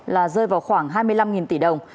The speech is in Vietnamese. là rơi vào khoảng hai mươi năm tỷ đồng